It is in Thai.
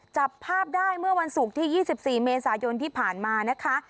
จับภาพได้เมื่อวันศุกร์ที่๒๔เมษายนที่ผ่านมานะคะ